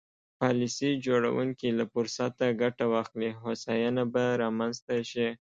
پالیسي جوړوونکي له فرصته ګټه واخلي هوساینه به رامنځته شي.